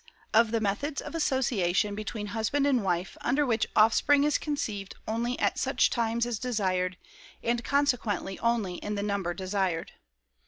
of the methods of association between husband and wife under which offspring is conceived only at such times as desired, and consequently only in the number desired.